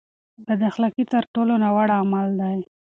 بد اخلاقي تر ټولو ناوړه عمل دی.